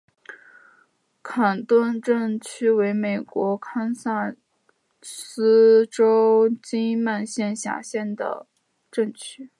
坎顿镇区为美国堪萨斯州金曼县辖下的镇区。